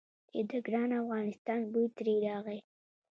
چې د ګران افغانستان بوی ترې راغی.